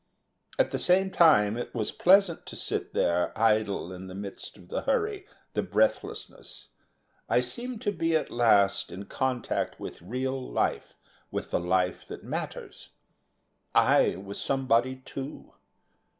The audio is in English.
At the same time, it was pleasant to sit there idle in the midst of the hurry, the breathlessness. I seemed to be at last in contact with real life, with the life that matters. I was somebody, too.